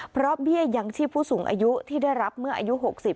เพราะเบี้ยยังชีพผู้สูงอายุที่ได้รับเมื่ออายุ๖๐